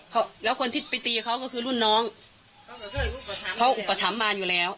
เขาแล้วคนที่ไปตีเขาก็คือรุ่นน้องเขาอุปถัมภ์มารอยู่แล้ว